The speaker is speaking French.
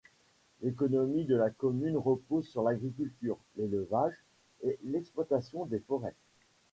L'économie de la commune repose sur l'agriculture, l'élevage et l'exploitation des forêts..